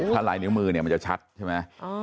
ถ้าลายนิ้วมือเนี่ยมันจะชัดใช่ไหม